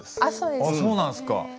あっそうなんすか。